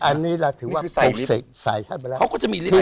อันนี้เราถือว่านี่คือใส่ฤทธิ์ใส่เข้าไปแล้วเขาก็จะมีฤทธิ์แล้ว